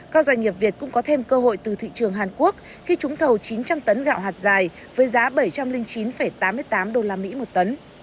các doanh nghiệp việt cũng có thêm cơ hội từ thị trường hàn quốc khi trúng thầu chín trăm linh tấn gạo hạt dài với giá bảy trăm linh chín tám mươi tám usd một tấn